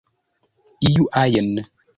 iu ajn